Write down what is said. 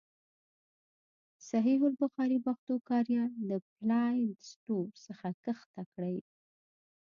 صحیح البخاري پښتو کاریال د پلای سټور څخه کښته کړئ.